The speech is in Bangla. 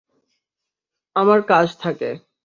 আমার কাজ থাকে।